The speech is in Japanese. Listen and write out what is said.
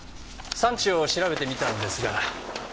産地を調べてみたんですが。